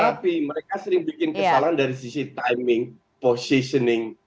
tapi mereka sering bikin kesalahan dari sisi timing positioning